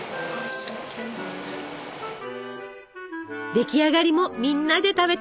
出来上がりもみんなで食べたい！